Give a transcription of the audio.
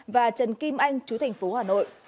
và trần kim anh chú thành phố hà nội